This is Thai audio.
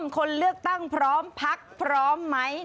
คนเลือกตั้งพร้อมพักพร้อมไหม